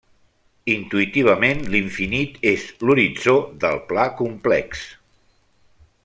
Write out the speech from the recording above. Intuïtivament, l'infinit és l'horitzó del pla complex.